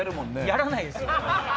やらないですよ！